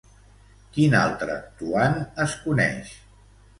Quin altre Toant es coneix?